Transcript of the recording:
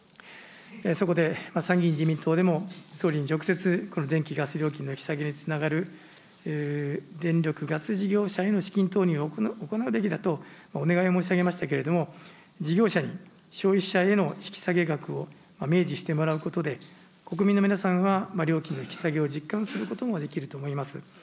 そこで参議院自民党でも、総理に直接、この電気、ガス料金の引き下げにつながる電力ガス事業者への資金投入を行うべきだとお願いを申し上げましたけれども、事業者に消費者への引き下げ額を明示してもらうことで、国民の皆さんは料金の引き下げを実感することができると思います。